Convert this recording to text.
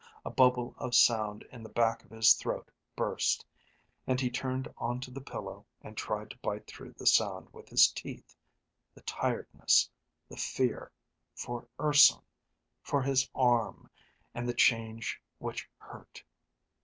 A bubble of sound in the back of his throat burst, and he turned onto the pillow and tried to bite through the sound with his teeth, the tiredness, the fear, for Urson, for his arm, and the change which hurt.